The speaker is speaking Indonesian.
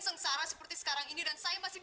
sengsara seperti sekarang ini dan saya masih